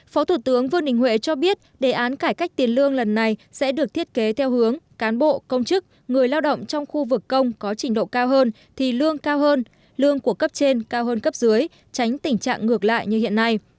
phó thủ tướng vương đình huệ cho biết đề án cải cách tiền lương lần này sẽ được thiết kế theo hướng cán bộ công chức người lao động trong khu vực công có trình độ cao hơn thì lương cao hơn lương của cấp trên cao hơn cấp dưới tránh tình trạng ngược lại như hiện nay